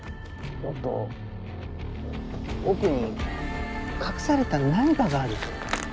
もっと奥に隠された何かがある。